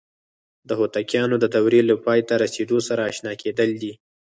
د هوتکیانو د دورې له پای ته رسیدو سره آشنا کېدل دي.